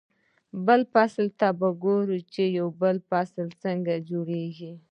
بل فصل ته به ګوري چې بل فصل څنګه جوړېږي.